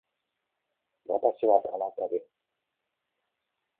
私は田中です